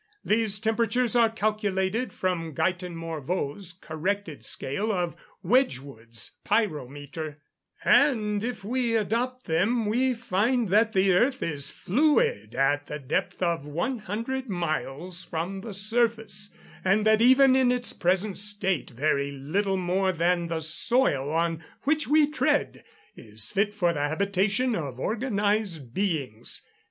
These temperatures are calculated from Guyton Morveau's corrected scale of Wedgwood's pyrometer; and if we adopt them, we find that the earth is fluid at the depth of 100 miles from the surface, and that even in its present state very little more than the soil on which we tread is fit for the habitation of organised beings."